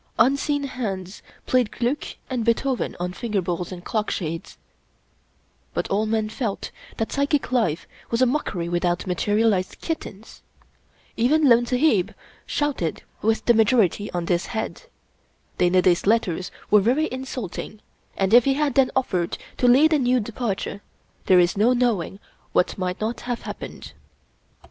Unseen hands played Gliick and Beethoven on finger bowls and clock shades; but all men felt that psychic life was a mockery without materialized kittens. Even Lone Sahib shouted with the majority on this head. . Dana Da's letters were very in sulting, and if he had then offered to lead a new departure, there is no knowing what might not have happened.